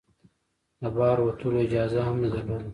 د بهر وتلو اجازه هم نه درلوده.